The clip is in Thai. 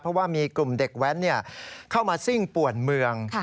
เพราะว่ามีกลุ่มเด็กแว้นเข้ามาซิ่งป่วนเมือง